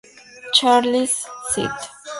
Charles, St.